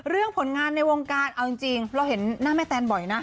ผลงานในวงการเอาจริงเราเห็นหน้าแม่แตนบ่อยนะ